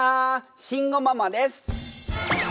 慎吾ママです！